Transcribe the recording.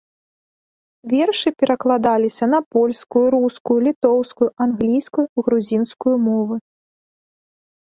Вершы перакладаліся на польскую, рускую, літоўскую, англійскую, грузінскую мовы.